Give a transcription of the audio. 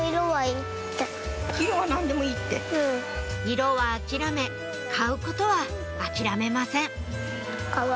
色は諦め買うことは諦めません